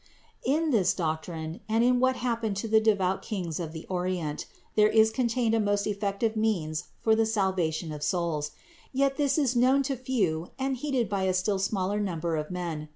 In this doctrine, and in what happened to the devout kings of the Orient, there is contained a most effective 476 CITY OF GOD means for the salvation of souls ; yet this is known to few and heeded by a still smaller number of men.